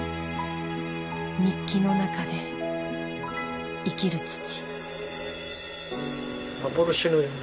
日記の中で生きる父。